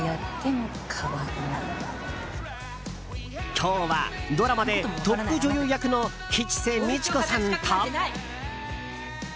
今日はドラマでトップ女優役の吉瀬美智子さんと。